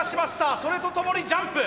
それとともにジャンプ。